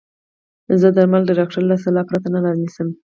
زه درمل د ډاکټر له سلا پرته نه رانيسم.